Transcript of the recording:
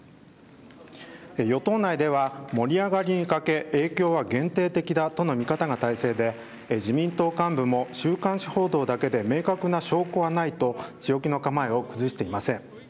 与党内では盛り上がりに欠け影響は限定的だとの見方が大勢で自民党幹部も週刊誌報道だけで明確な証拠はないと強気の構えを崩していません。